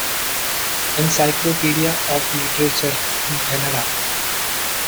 Encyclopedia of Literature in Canada.